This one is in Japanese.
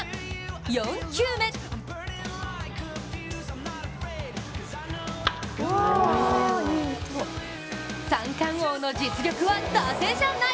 ４球目三冠王の実力はだてじゃない。